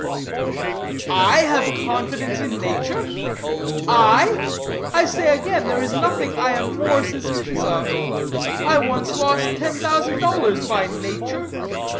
"I have confidence in nature? I? I say again there is nothing I am more suspicious of. I once lost ten thousand dollars by nature.